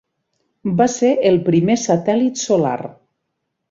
Va ser el primer satèl·lit solar.